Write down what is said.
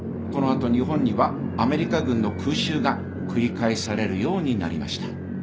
この後日本にはアメリカ軍の空襲が繰り返されるようになりました。